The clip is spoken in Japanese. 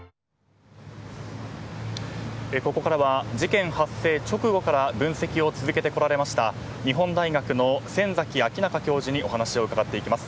ここからは、事件発生直後から分析を続けてこられました日本大学の先崎彰容教授にお話を伺っていきます。